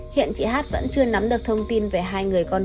hiện chị hát vẫn chưa nắm được thông tin về hai người con tra